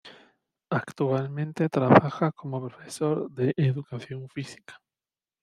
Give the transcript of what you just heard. Actualmente trabaja como profesor de educación física.